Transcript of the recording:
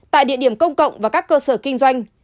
tại địa điểm công cộng và các cơ sở kinh doanh